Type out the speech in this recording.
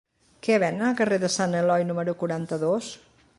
Què venen al carrer de Sant Eloi número quaranta-dos?